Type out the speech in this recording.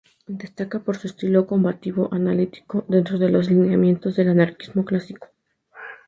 Destaca por su estilo combativo y analítico, dentro de los lineamientos del anarquismo clásico.